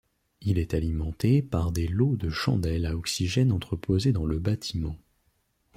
Il est alimenté par des lots de chandelles à oxygène entreposées dans le bâtiment.